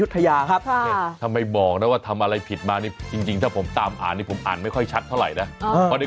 ทำไมบอกนะว่าทำอะไรผิดมานี่จริงถ้าผมตามอ่านนี่ผมอ่านไม่ค่อยชัดเท่าไหร่นะ